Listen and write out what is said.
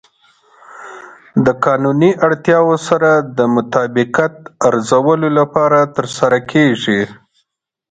د قانوني اړتیاوو سره د مطابقت ارزولو لپاره ترسره کیږي.